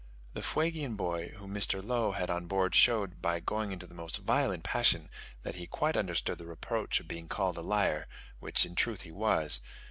The Fuegian boy, whom Mr. Low had on board showed, by going into the most violent passion, that he quite understood the reproach of being called a liar, which in truth he was.